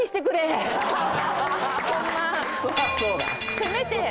せめて。